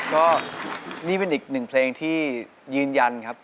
ก็นี่เป็นอีกหนึ่งเพลงที่ยืนยันครับ